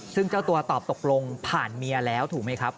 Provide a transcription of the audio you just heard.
ซึ่งเจ้าตัวตอบตกลงผ่านเมียแล้วถูกไหมครับ